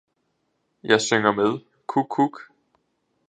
Jeg synger med, kukkuk!